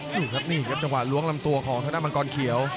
นี่ครับนี่ครับจังหวะล้วงลำตัวของธนมังกรเขียว